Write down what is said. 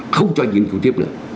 không cho nghiên cứu tiếp nữa